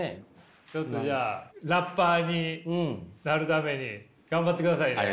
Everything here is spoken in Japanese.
ちょっとじゃあラッパーになるために頑張ってくださいね。